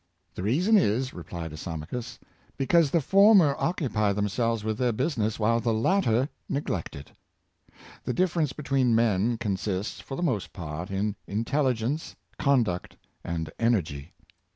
"The reason Is," replied Iso machus, " because the former occupy themselves with their business, while the latter neglect it." The difference between men consists, for the most part, in intelligence, conduct, and energy.